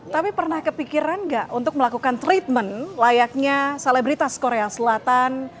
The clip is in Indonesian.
tapi pernah kepikiran nggak untuk melakukan treatment layaknya selebritas korea selatan